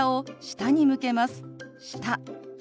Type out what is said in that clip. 「下」。